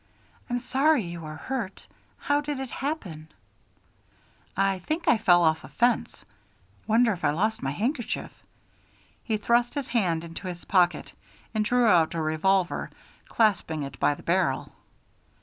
"I'm sorry you are hurt. How did it happen?" "I think I fell off a fence. Wonder if I lost my handkerchief?" He thrust his hand into his pocket, and drew out a revolver, clasping it by the barrel.